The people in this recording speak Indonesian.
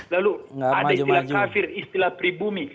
lalu ada istilah kafir istilah pribumi